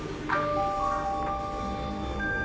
ああ。